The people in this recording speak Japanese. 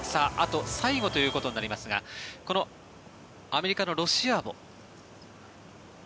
最後ということになりますがこのアメリカのロシアーボ。